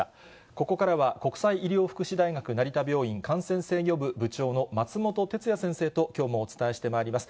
ここからは国際医療福祉大学成田病院感染制御部部長の松本哲哉先生ときょうもお伝えしてまいります。